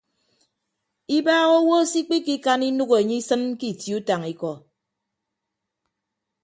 Ibaaha owo se ikpikikan inәk enye isịn ke itie utañ ikọ.